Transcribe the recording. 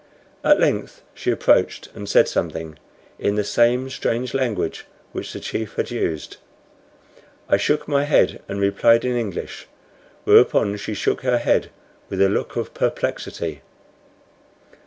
At length she approached and said something in the same strange language which the chief had used. I shook my head and replied in English, whereupon she shook her head with a look of perplexity.